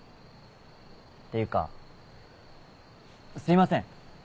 ていうかすいません。